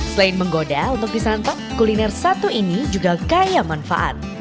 selain menggoda untuk disantap kuliner satu ini juga kaya manfaat